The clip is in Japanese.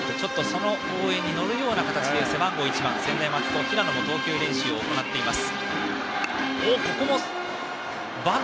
その応援に乗るような形で背番号１番、専大松戸の平野も投球練習を行っています。